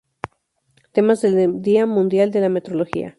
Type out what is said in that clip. Temas del Día Mundial de la Metrología